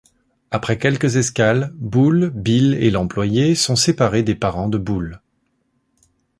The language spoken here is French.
Après quelques escales, Boule, Bill et l'employé sont séparés des parents de Boule.